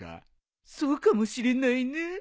そうかもしれないね。